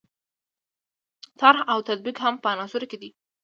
طرح او تطبیق هم په عناصرو کې دي.